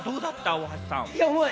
大橋さん。